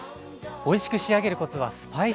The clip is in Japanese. おいしく仕上げるコツはスパイス使い。